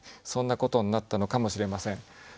そんなことになったのかもしれません。